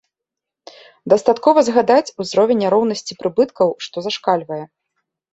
Дастаткова згадаць узровень няроўнасці прыбыткаў, што зашкальвае.